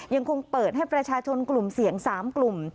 ยังคงเปิดให้ประชาชนกลุ่มเสี่ยง๓กลุ่ม